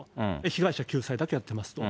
被害者救済だけやってますと。